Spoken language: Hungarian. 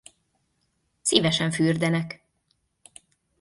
Szívesen fürdenek.